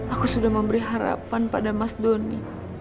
aku sudah memberi harapan pada mas doni